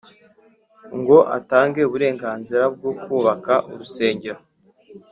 ngo atange uburenganzira bwo kubaka urusengero